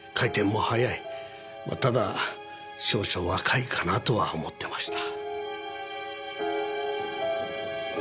ただ少々若いかなとは思ってました。